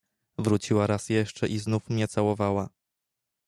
"Wróciła raz jeszcze i znów mnie całowała."